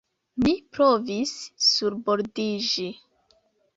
Mi provis surbordiĝi.